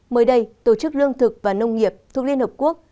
mới đây tổ chức lương thực và nông nghiệp thuộc liên hợp quốc